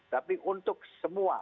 tapi untuk semua